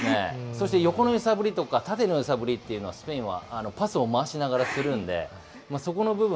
そして、横の揺さぶりとか縦の揺さぶりっていうのは、スペインはパスを回しながらするんで、そこの部分。